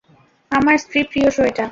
আমার স্ত্রীর প্রিয় শো এটা!